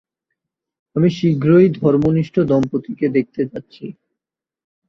আমি শীঘ্রই ধর্মনিষ্ঠ দম্পতিকে দেখতে যাচ্ছি।